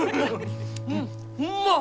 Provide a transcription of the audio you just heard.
うんうまっ！